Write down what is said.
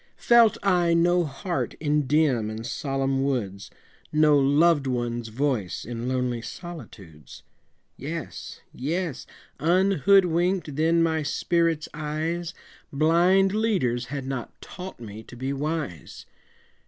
Felt I no heart in dim and solemn woods No loved one's voice in lonely solitudes? Yes, yes! unhoodwinked then my spirit's eyes, Blind leaders had not taught me to be wise.